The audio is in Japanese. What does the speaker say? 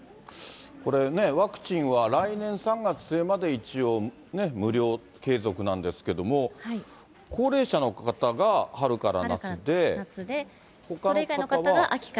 ワクチンは来年３月末まで、一応、無料継続なんですけれども、高齢者の方が春から夏で、ほかの方は。